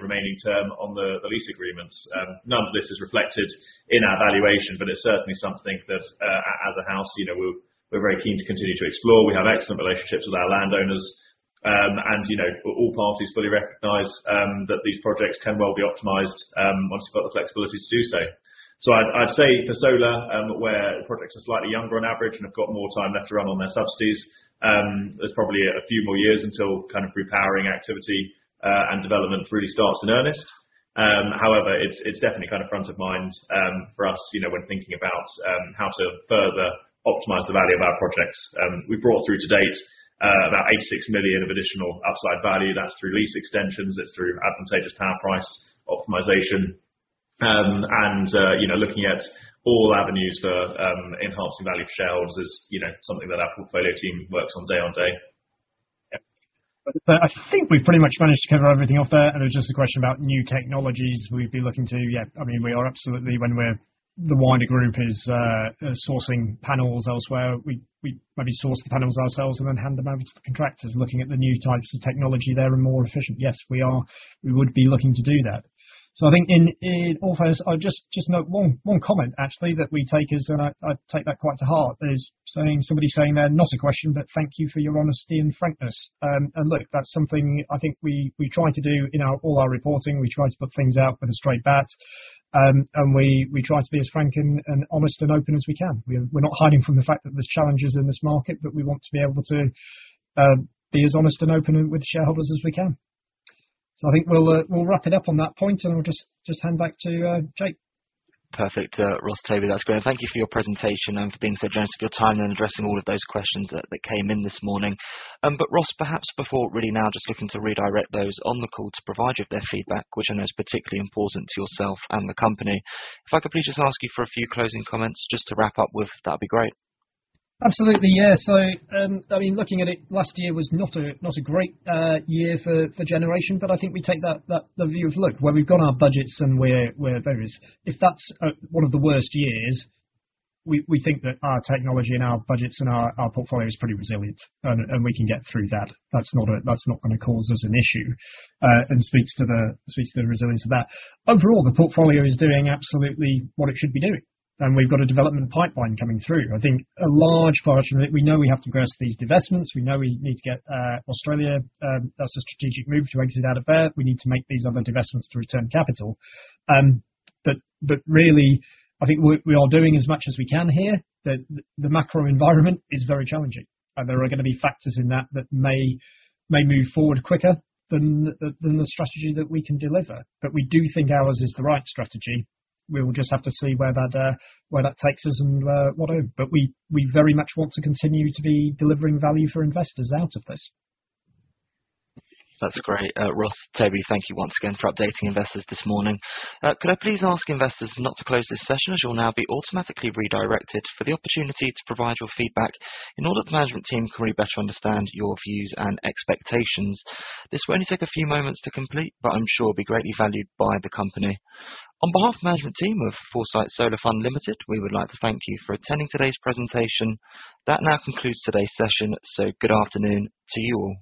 remaining term on the lease agreements, none of this is reflected in our valuation, but it is certainly something that, as a house, we are very keen to continue to explore. We have excellent relationships with our landowners. All parties fully recognize that these projects can well be optimized once you have the flexibility to do so. I would say for solar, where projects are slightly younger on average and have more time left to run on their subsidies, there are probably a few more years until kind of repowering activity and development really starts in earnest. However, it is definitely kind of front of mind for us when thinking about how to further optimize the value of our projects. We have brought through to date about 86 million of additional upside value. That is through lease extensions. It is through advantageous power price optimization. Looking at all avenues for enhancing value for shareholders is something that our portfolio team works on day on day. I think we've pretty much managed to cover everything off there. It was just a question about new technologies we'd be looking to. Yeah, I mean, we are absolutely, when the wider group is sourcing panels elsewhere, we maybe source the panels ourselves and then hand them over to the contractors, looking at the new types of technology there and more efficient. Yes, we are. We would be looking to do that. I think in all fairness, just one comment actually that we take as, and I take that quite to heart, is somebody saying there, not a question, but thank you for your honesty and frankness. Look, that's something I think we try to do in all our reporting. We try to put things out with a straight bat. We try to be as frank and honest and open as we can. We're not hiding from the fact that there's challenges in this market, but we want to be able to be as honest and open with shareholders as we can. I think we'll wrap it up on that point, and I'll just hand back to Jake. Perfect. Ross, Toby, that's great. Thank you for your presentation and for being so generous of your time and addressing all of those questions that came in this morning. Ross, perhaps before really now just looking to redirect those on the call to provide you with their feedback, which I know is particularly important to yourself and the company. If I could please just ask you for a few closing comments just to wrap up with, that'd be great. Absolutely. Yeah. I mean, looking at it, last year was not a great year for generation, but I think we take the view of, look, where we've got our budgets and we're very—if that's one of the worst years, we think that our technology and our budgets and our portfolio is pretty resilient, and we can get through that. That's not going to cause us an issue and speaks to the resilience of that. Overall, the portfolio is doing absolutely what it should be doing. We've got a development pipeline coming through. I think a large portion of it, we know we have to grasp these divestments. We know we need to get Australia. That's a strategic move to exit out of there. We need to make these other divestments to return capital. Really, I think we are doing as much as we can here. The macro environment is very challenging. There are going to be factors in that that may move forward quicker than the strategy that we can deliver. We do think ours is the right strategy. We will just have to see where that takes us and whatever. We very much want to continue to be delivering value for investors out of this. That's great. Ross, Toby, thank you once again for updating investors this morning. Could I please ask investors not to close this session as you'll now be automatically redirected for the opportunity to provide your feedback in order for the management team to better understand your views and expectations? This will only take a few moments to complete, but I'm sure it will be greatly valued by the company. On behalf of the management team of Foresight Solar Fund Limited, we would like to thank you for attending today's presentation. That now concludes today's session. Good afternoon to you all.